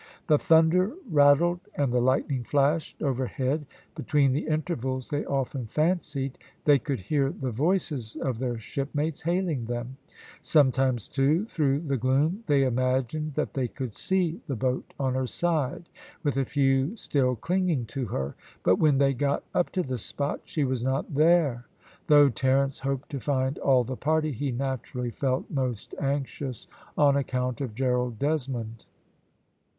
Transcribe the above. The thunder rattled and the lightning flashed over head. Between the intervals they often fancied they could hear the voices of their shipmates hailing them; sometimes, too, through the gloom they imagined that they could see the boat on her side, with a few still clinging to her; but when they got up to the spot, she was not there. Though Terence hoped to find all the party, he naturally felt most anxious on account of Gerald Desmond.